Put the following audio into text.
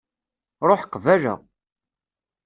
Ruḥ qbala.